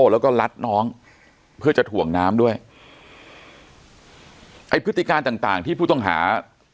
แล้วก็ลัดน้องเพื่อจะถ่วงน้ำด้วยไอ้พฤติการต่างต่างที่ผู้ต้องหา